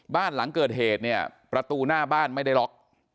บ้านหลังเกิดเหตุเนี่ยประตูหน้าบ้านไม่ได้ล็อก